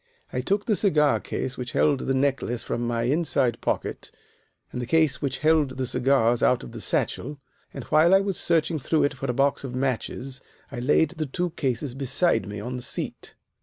"I took the cigar case which held the necklace from my inside pocket and the case which held the cigars out of the satchel, and while I was searching through it for a box of matches I laid the two cases beside me on the seat.